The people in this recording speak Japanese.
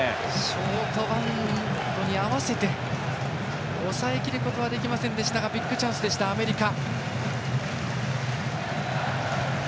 ショートバウンドに合わせて抑えきることはできませんでしたがビッグチャンスでした、アメリカ。